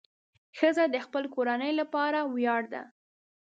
ښځه د خپل کورنۍ لپاره ویاړ ده.